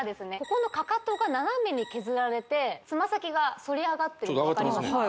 ここのかかとが斜めに削られてつま先が反り上がってるの分かりますか？